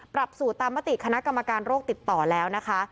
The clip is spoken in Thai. ปรับสูตรตามมติคณะกรรมการโรคติดต่อแล้วนะคะ